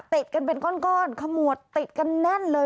ติดกันเป็นก้อนขมวดติดกันแน่นเลย